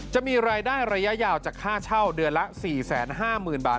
จะมีรายได้ระยะยาวจากค่าเช่าเดือนละ๔๕๐๐๐บาท